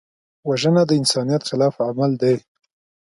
وژنه د انسانیت خلاف عمل دی